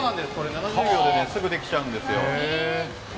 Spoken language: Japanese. ７０秒ですぐできるんですよ。